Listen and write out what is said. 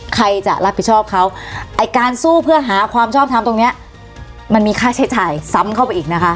ใครจะรับผิดชอบเขาไอ้การสู้เพื่อหาความชอบทำตรงเนี้ยมันมีค่าใช้จ่ายซ้ำเข้าไปอีกนะคะ